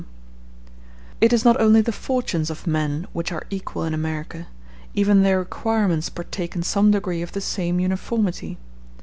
] It is not only the fortunes of men which are equal in America; even their requirements partake in some degree of the same uniformity.